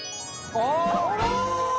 あら！